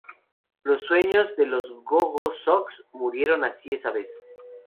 Los sueños de los "Go-Go Sox" murieron así esa vez.